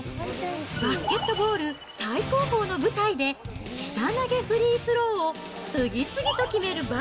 バスケットボール最高峰の舞台で、下投げフリースローを次々と決める